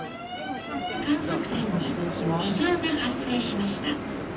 「観測点に異常が発生しました」。